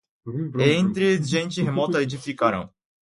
E entre gente remota edificaram